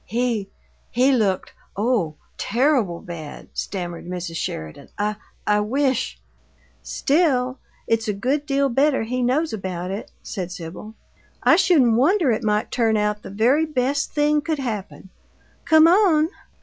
"He he looked oh, terrible bad!" stammered Mrs. Sheridan. "I I wish " "Still, it's a good deal better he knows about it," said Sibyl. "I shouldn't wonder it might turn out the very best thing could happened. Come on!"